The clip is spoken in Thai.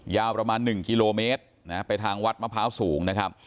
ยาวประมาณ๑กิโลเมตรไปทางวัดมะพร้าวสูงนะครับ